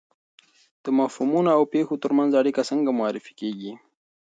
د مفهومونو او پېښو ترمنځ اړیکه څنګه معرفي کیږي؟